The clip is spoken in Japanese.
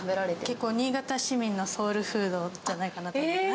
結構、新潟市民のソウルフードじゃないかなと思います。